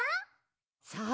そう。